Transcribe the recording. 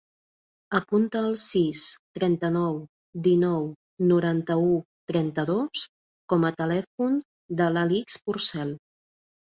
Apunta el sis, trenta-nou, dinou, noranta-u, trenta-dos com a telèfon de l'Alix Porcel.